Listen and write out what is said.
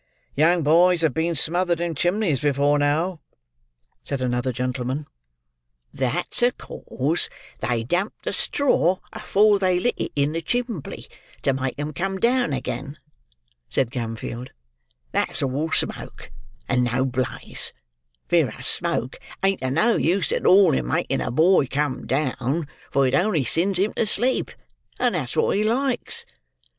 "Young boys have been smothered in chimneys before now," said another gentleman. "That's acause they damped the straw afore they lit it in the chimbley to make 'em come down again," said Gamfield; "that's all smoke, and no blaze; vereas smoke ain't o' no use at all in making a boy come down, for it only sinds him to sleep, and that's wot he likes.